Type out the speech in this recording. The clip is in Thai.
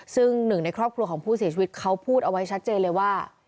ซึ่งหนึ่งในครอบครัวของผู้เสียชีวิตเขาพูดเอาไว้ชัดเจนเลยว่า